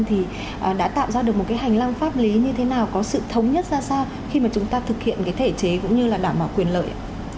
thì đã tạo ra được một cái hành lang pháp lý như thế nào có sự thống nhất ra sao khi mà chúng ta thực hiện cái thể chế cũng như là đảm bảo quyền lợi